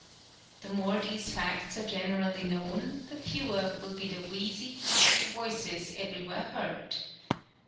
The more these facts are generally known the fewer will be the wheezy, husky voices everywhere heard.